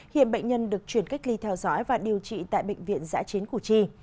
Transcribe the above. hiện bệnh nhân được chuyển cách ly theo dõi và điều trị tại bệnh viện giã chiến củ chi